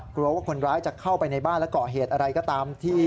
กลัวว่าคนร้ายจะเข้าไปในบ้านและก่อเหตุอะไรก็ตามที่